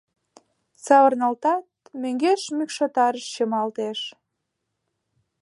Савырналтат, мӧҥгеш мӱкшотарыш чымалтеш.